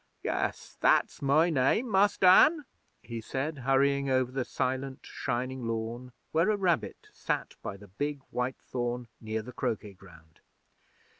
'Yes. That's my name, Mus' Dan,' he said, hurrying over the silent shining lawn, where a rabbit sat by the big white thorn near the croquet ground.